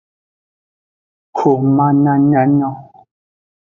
Woman nyanya nyon.